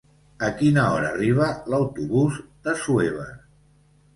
A quina hora arriba l'autobús d'Assuévar?